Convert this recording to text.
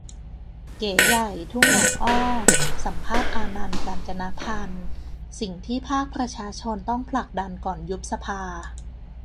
เก๋ใหญ่ ทุ่งหนองอ้อ สัมภาษณ์ อานันท์ กาญจนพันธุ์ :"สิ่งที่ภาคประชาชนต้องผลักดันก่อนยุบสภา"